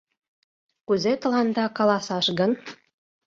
Кузе тыланда каласаш гын?